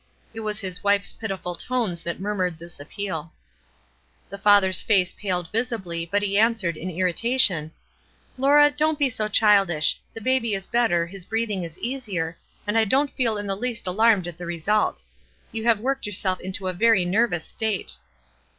It was his wife's pitiful tones that murmured this appeal. 24 370 WISE AND OTHERWISE. The father's face paled visibly, but be an swered in irritation, — "Laura, don't be so childish. The baby is better, his breathing is easier, and I don't feel in the least alarmed at the result. You have worked yourself into a very nervous state."